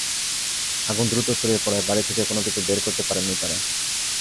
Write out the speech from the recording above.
আগুন দ্রুত ছড়িয়ে পড়ায় বাড়ি থেকে কোনো কিছু বের করতে পারেননি তাঁরা।